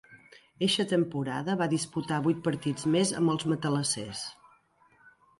Eixa temporada va disputar vuit partits més amb els matalassers.